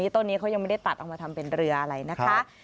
ต้นนี้เขายังไม่ได้ตัดออกมาทำเป็นเรืออะไรนะคะ